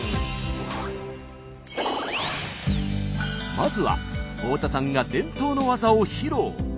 まずは太田さんが伝統の技を披露。